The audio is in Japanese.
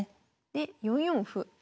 で３四歩。